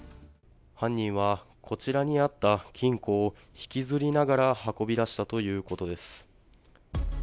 犯人は、こちらにあった金庫を引きずりながら運び出したということです。